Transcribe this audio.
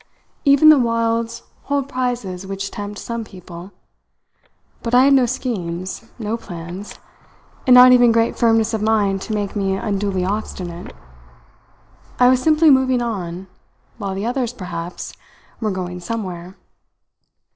Even the wilds hold prizes which tempt some people; but I had no schemes, no plans and not even great firmness of mind to make me unduly obstinate. I was simply moving on, while the others, perhaps, were going somewhere.